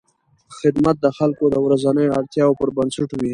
خدمت د خلکو د ورځنیو اړتیاوو پر بنسټ وي.